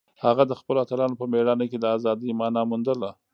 هغه د خپلو اتلانو په مېړانه کې د ازادۍ مانا موندله.